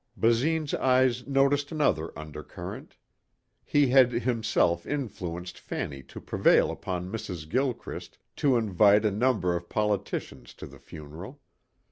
Basine's eyes noticed another undercurrent. He had himself influenced Fanny to prevail upon Mrs. Gilchrist to invite a number of politicians to the funeral.